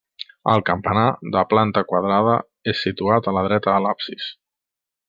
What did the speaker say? El campanar, de planta quadrada, és situat a la dreta de l'absis.